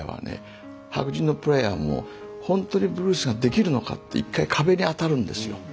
白人のプレーヤーもほんとにブルースができるのかって一回壁に当たるんですよ。